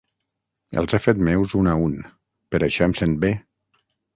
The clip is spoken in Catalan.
Els he fet meus, un a un, per això em sent bé...